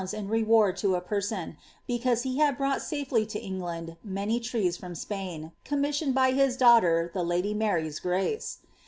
in reward io a person, because he had brought safely to England many trees from Spain, commissioned by ^his daughter the lady Mary's S:ace."